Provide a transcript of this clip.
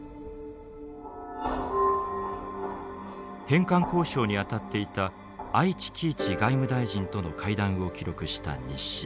返還交渉に当たっていた愛知揆一外務大臣との会談を記録した日誌。